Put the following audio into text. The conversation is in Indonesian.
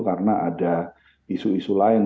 karena ada isu isu lain